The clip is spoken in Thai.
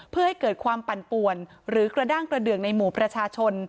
เพื่อให้เกิดความปั่นป่วนหรือกระด้างกระเดืองในหมู่ประชาชน